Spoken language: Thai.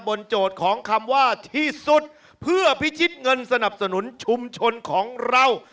โจทย์ของคำว่าที่สุดเพื่อพิชิตเงินสนับสนุนชุมชนของเรา